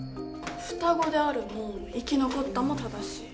双子であるも生き残ったも正しい。